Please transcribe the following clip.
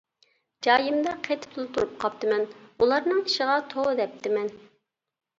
جايىمدا قېتىپلا تۇرۇپ قاپتىمەن، ئۇلارنىڭ ئىشىغا توۋا دەپتىمەن.